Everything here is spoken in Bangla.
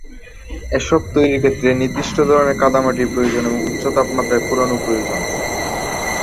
এসব তৈরির ক্ষেত্রে নির্দিষ্ট ধরনের কাদামাটির প্রয়োজন এবং উচ্চ তাপমাত্রায় পোড়ানো প্রয়োজন।